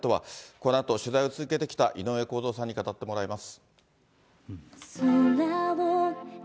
このあと取材を続けてきた井上公造さんに語ってもらいます。